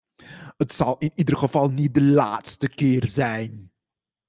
Het zal in ieder geval niet de laatste keer zijn.